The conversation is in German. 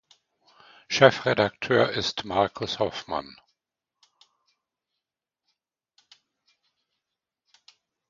Chefredakteur ist Markus Hofmann.